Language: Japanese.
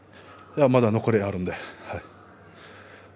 まだ残りがあるので。